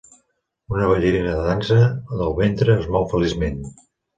Una ballarina de dansa del ventre es mou feliçment.